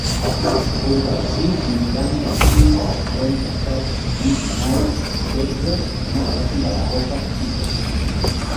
Apunta el sis, noranta-cinc, trenta-set, vint-i-nou, dotze com a telèfon de la Rosa Chico.